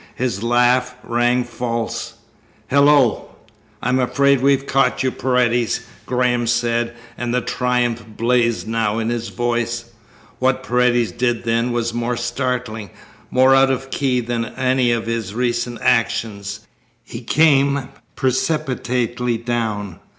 His laugh rang false. "Hello!" "I'm afraid we've caught you, Paredes," Graham said, and the triumph blazed now in his voice. What Paredes did then was more startling, more out of key than any of his recent actions. He came precipitately down.